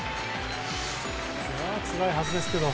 つらいはずですけどね。